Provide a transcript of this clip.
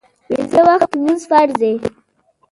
پنځه وخته لمونځ فرض ده